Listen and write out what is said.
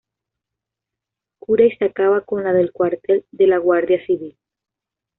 Cura y se acaba con la del Cuartel de la Guardia Civil.